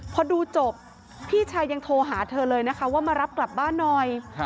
พอดูจบพี่ชายยังโทรหาเธอเลยนะคะว่ามารับกลับบ้านหน่อย